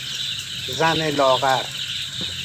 زن لاغر